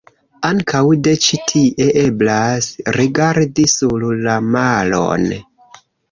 Ankaŭ de ĉi-tie eblas rigardi sur la maron.